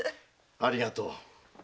ありがとう。